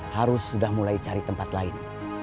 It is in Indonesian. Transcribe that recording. harus sudah mulai cari tempat lain